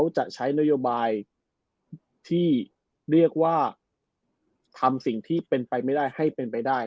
จะใช้นโยบายที่เรียกว่าทำสิ่งที่เป็นไปไม่ได้ให้เป็นไปได้